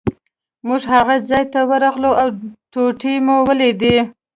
موږ هغه ځای ته ورغلو او ټوټې مو ولیدې.